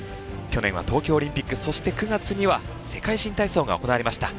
去年は東京オリンピックそして９月には世界新体操が行われました。